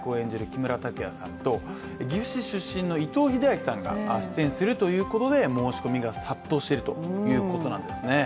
木村拓哉さんと岐阜市出身の伊藤英明さんが出演するということで申し込みが殺到しているということなんですね